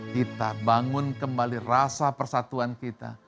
kita bangun kembali rasa persatuan kita